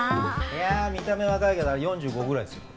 いや見た目若いけどあれ４５ぐらいですよ。